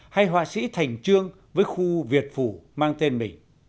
hay họa sĩ thành trương với khu việt phủ mang tên mình